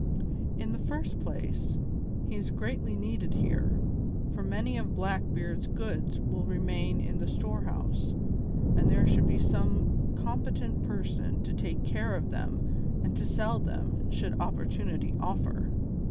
In the first place, he is greatly needed here, for many of Blackbeard's goods will remain in the storehouse, and there should be some competent person to take care of them and to sell them should opportunity offer.